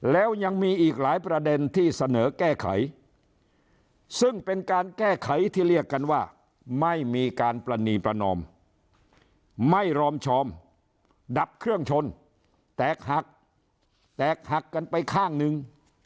แล้วยังมีอีกหลายประเด็นที่เสนอแก้ไขซึ่งเป็นการแก้ไขที่เรียกกันว่าไม่มีการปรณีประนอมไม่รอมชอมดับเครื่องชนแตกหักแตกหักกันไปข้างหนึ่ง